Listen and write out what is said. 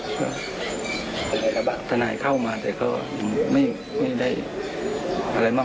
ขอธนัยเข้ามานู่สชิดใดก็ไม่ได้อะไรมาก